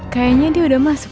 kayaknya dia udah masuk